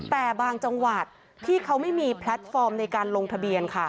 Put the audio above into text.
แต่บางจังหวัดที่เขาไม่มีแพลตฟอร์มในการลงทะเบียนค่ะ